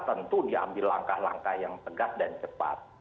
tentu diambil langkah langkah yang tegas dan cepat